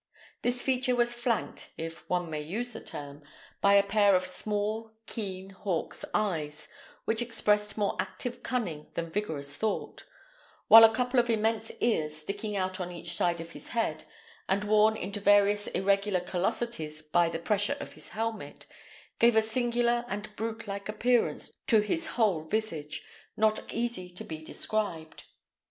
This feature was flanked, if one may use the term, by a pair of small, keen, hawk's eyes, which expressed more active cunning than vigorous thought; while a couple of immense ears, sticking out on each side of his head, and worn into various irregular callosities by the pressure of his helmet, gave a singular and brute like appearance to his whole visage, not easy to be described.